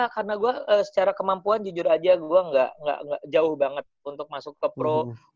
karena gue secara kemampuan jujur aja gue gak jauh banget untuk masuk ke pro